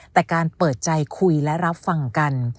แต่การเปิดใจคุยและรับฟังกัน